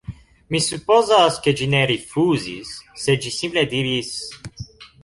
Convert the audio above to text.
Mi supozas, ke ĝi ne rifuzis, sed ĝi simple diris: